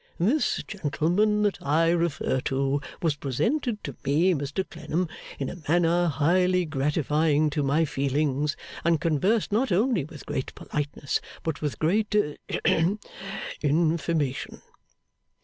This gentleman that I refer to, was presented to me, Mr Clennam, in a manner highly gratifying to my feelings, and conversed not only with great politeness, but with great ahem information.